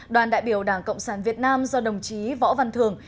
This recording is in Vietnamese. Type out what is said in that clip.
đoàn đại biểu đảng cộng sản việt nam do đồng chí võ văn thường